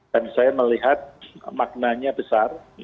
dan saya melihat maknanya besar